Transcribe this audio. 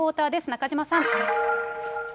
中島さん。